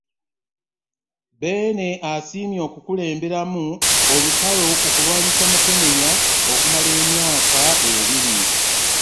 Beene asiimye okukulemberamu olutalo ku kulwanyisa Mukenenya okumala emyaka ebiri